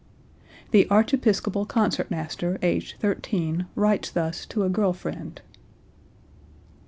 (The Archiepiscopal concertmaster, aged 13, writes thus to a girl friend.)